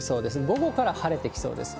午後から晴れてきそうです。